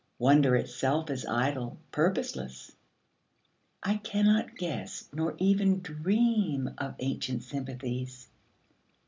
Wonder itself is idle, purposeless; I cannot guess Nor even dream of ancient sympathies.